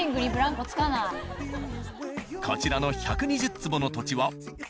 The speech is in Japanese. こちらの１２０坪の土地はなんと